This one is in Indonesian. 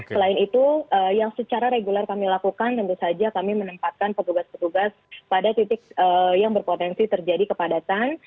selain itu yang secara reguler kami lakukan tentu saja kami menempatkan petugas petugas pada titik yang berpotensi terjadi kepadatan